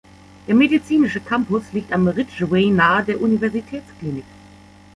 Der medizinische Campus liegt am Ridgeway nahe der Universitätsklinik.